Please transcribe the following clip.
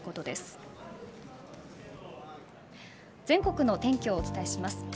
全国の天気をお伝えします。